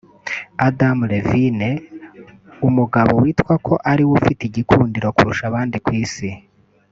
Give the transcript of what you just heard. Adam Levine umugabo witwa ko ariwe ufite igikundiro kurusha abandi ku Isi